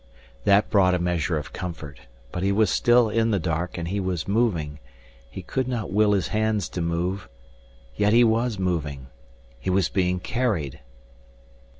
That brought a measure of comfort. But he was still in the dark, and he was moving he could not will his hands to move yet he was moving. He was being carried!